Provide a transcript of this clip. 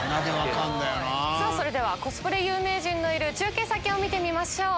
それではコスプレ有名人のいる中継先を見てみましょう。